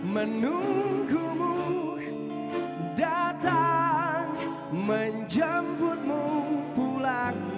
menunggumu datang menjemputmu pulang